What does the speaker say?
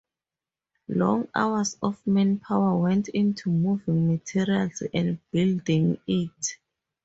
Long hours of manpower went into moving materials and building it.